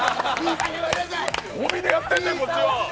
帯でやってんねん、こっちは。